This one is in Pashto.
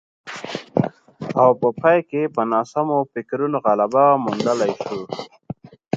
او په پای کې په ناسمو فکرونو غلبه موندلای شو